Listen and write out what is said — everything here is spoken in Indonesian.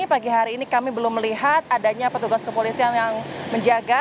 pagi hari ini kami belum melihat adanya petugas kepolisian yang menjaga